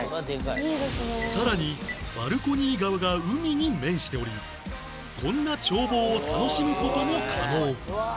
さらにバルコニー側が海に面しておりこんな眺望を楽しむ事も可能